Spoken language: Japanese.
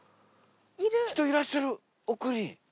人いらっしゃる奥に。